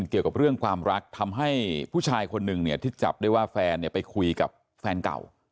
เกี่ยวกับเรื่องความรักทำให้ผู้ชายคนหนึ่งเนี่ยที่จับได้ว่าแฟนไปคุยกับแฟนเก่า